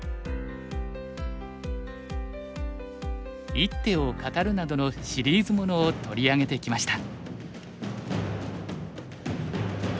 「一手を語る」などのシリーズものを取り上げてきました。